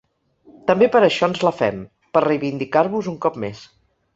També per això ens la fem, per reivindicar-vos un cop més.